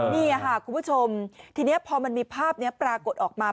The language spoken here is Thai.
นี่ค่ะคุณผู้ชมทีนี้พอมันมีภาพนี้ปรากฏออกมา